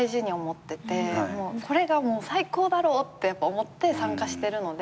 これが最高だろうって思って参加してるので。